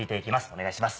お願いします。